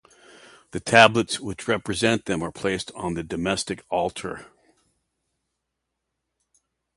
The tablets which represent them are placed on the domestic altar.